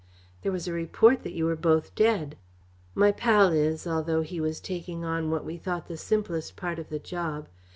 "There was a report that you were both dead." "My pal is, although he was taking on what we thought the simplest part of the job.